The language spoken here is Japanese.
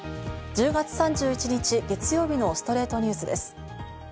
１０月３１日、月曜日の『ストレイトニュース』です。